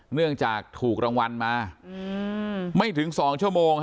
เนื่องจากถูกรางวัลมาไม่ถึง๒ชั่วโมง